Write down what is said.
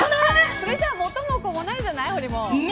それじゃあ元も子もないじゃない。